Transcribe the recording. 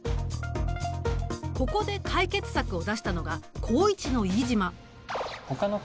ここで解決策を出したのが高１の飯島。